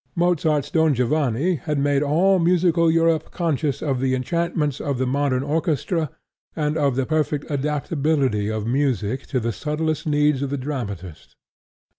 Mozart's Don Giovanni had made all musical Europe conscious of the enchantments of the modern orchestra and of the perfect adaptability of music to the subtlest needs of the dramatist.